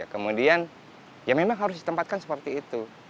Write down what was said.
kemudian ya memang harus ditempatkan seperti itu